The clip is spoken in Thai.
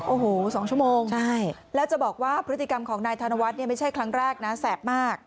โอ้โห๒ชั่วโมงใช่แล้วจะบอกว่าพฤติกรรมของนายธนวัฒน์เนี่ยไม่ใช่ครั้งแรกนะแสบมาก